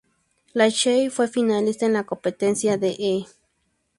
Lachey fue finalista en la competencia de E!